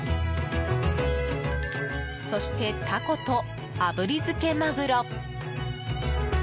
そしてタコとあぶり漬けマグロ。